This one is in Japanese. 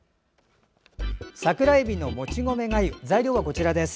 桜えびのもち米がゆ材料はこちらです。